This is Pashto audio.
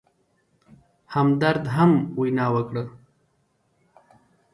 همدرد هم وینا وکړه.